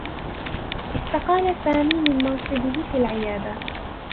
استقال سامي من منصبه في العيادة.